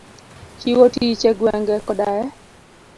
Chiwo tich e gwenge koda e